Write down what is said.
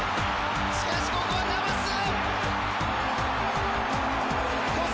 しかし、ここはナヴァス。